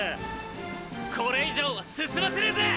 これ以上は進ませねぇぜ！